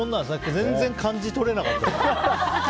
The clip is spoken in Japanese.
全然感じ取れなかった。